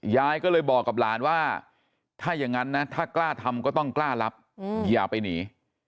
ยายก็เลยบอกกับหลานว่าถ้าอย่างนั้นนะถ้ากล้าทำก็ต้องกล้ารับอย่าไปหนี